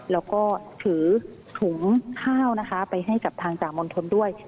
แล้วก็ถือถุงข้าวนะคะไปให้กับทางจ่ามณฑลด้วย